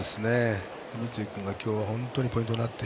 三井君が今日はポイントになって